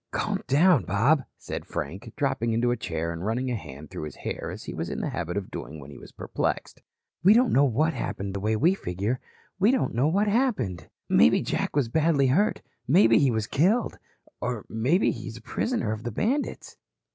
"Calm down, Bob," said Frank, dropping into a chair and running a hand through his hair as he was in the habit of doing when perplexed. "We don't know that it happened the way we figure. We don't know what happened. Maybe Jack was badly hurt, maybe he was killed. Or he may be a prisoner of the bandits.